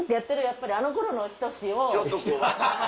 やっぱりあの頃の人志を。